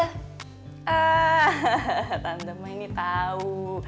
ehh tante mah ini tau